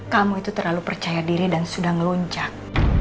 kamu itu terlalu percaya diri dan sudah ngeluncak